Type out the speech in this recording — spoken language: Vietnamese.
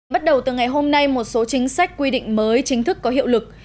bắt đầu từ ngày hôm nay một số chính sách quy định mới chính thức có hiệu lực